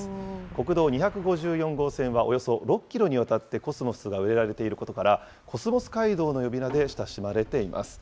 国道２５４号線はおよそ６キロにわたってコスモスが植えられていることから、コスモス街道の呼び名で親しまれています。